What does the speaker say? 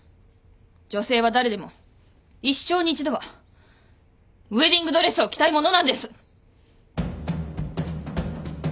女性は誰でも一生に一度はウエディングドレスを着たいものなんです。